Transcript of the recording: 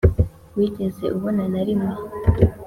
wigeze ubona na rimwe?